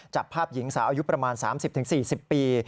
จับภาพหญิงสาวอายุประมาณ๓๐๔๐ปี